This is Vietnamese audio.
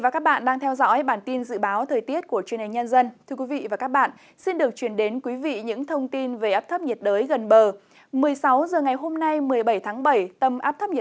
các bạn hãy đăng ký kênh để ủng hộ kênh của chúng mình nhé